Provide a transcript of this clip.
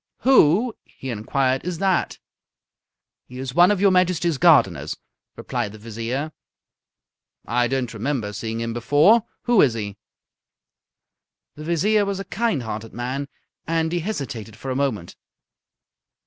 "Who," he inquired, "is that?" "He is one of your Majesty's gardeners," replied the Vizier. "I don't remember seeing him before. Who is he?" The Vizier was a kind hearted man, and he hesitated for a moment.